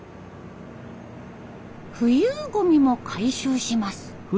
浮遊ゴミも回収します。